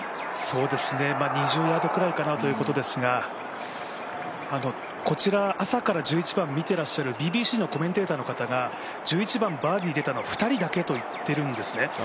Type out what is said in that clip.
２０ヤードくらいかなということですが、こちら朝から１１番見ていらっしゃるＢＢＣのコメンテーターの方が、１１番バーディー出たのは２人だけと言っているんですね。